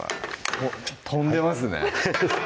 おっ飛んでますね